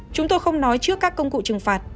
chúng tôi không nói trước các công cụ trừng phạt